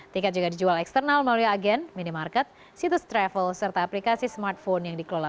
tiket juga dijual eksternal melalui agen minimarket situs travel serta aplikasi smartphone yang dikelola